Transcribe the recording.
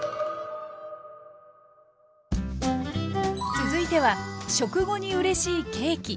続いては食後にうれしいケーキ。